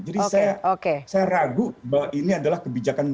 jadi saya ragu bahwa ini adalah kebijakan